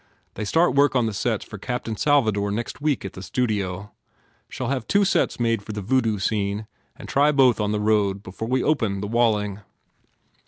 They start work on the sets for Captain Salvador next week at the studio. Shall have two sets made for the Voodoo scene and try both on the road before we open the Walling."